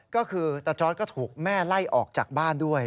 ก็คือตาจอร์ดก็ถูกแม่ไล่ออกจากบ้านด้วย